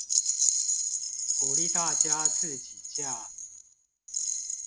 鼓勵大家自己架